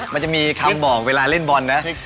มันจะมีคำบอกเวลาเล่นบอลนะ